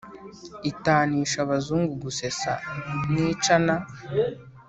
Itanisha Abazungu gusesa nicana